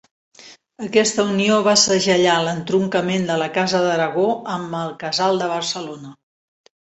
Aquesta unió va segellar l'entroncament de la casa d'Aragó amb el casal de Barcelona.